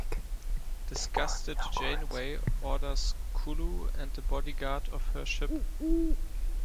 Disgusted, Janeway orders Culluh and the bodyguard off her ship.